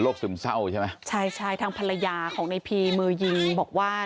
ซึมเศร้าใช่ไหมใช่ใช่ทางภรรยาของในพีมือยิงบอกว่า